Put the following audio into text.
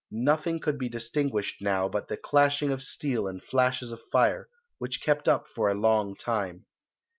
Nothing could be distinguished now but the clashing of steel and flashes of fire, which kept up for a long time.